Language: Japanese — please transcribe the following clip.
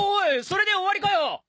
それで終わりかよ！？